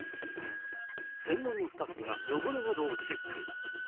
専門のスタッフが汚れなどをチェック。